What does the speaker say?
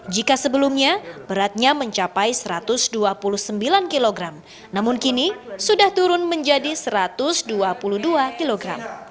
jika sebelumnya beratnya mencapai satu ratus dua puluh sembilan kg namun kini sudah turun menjadi satu ratus dua puluh dua kg